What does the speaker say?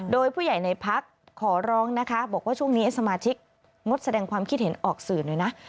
โดยผู้ใหญ่ในพักขอร้องนะคะบอกว่าช่วงนี้สมาชิกงดแสดงความคิดเห็นออกสื่อหน่อยนะ